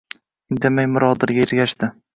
Indamay Mirodilga ergashdi